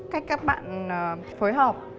cách các bạn phối hợp